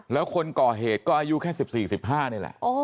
แล้วคนก่อเหตุก็อายุแค่๑๔๑๕นี่แหละ